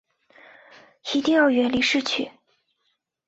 一定要远离市区